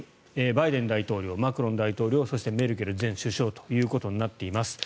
バイデン大統領、マクロン大統領そして、メルケル前首相ということになっています。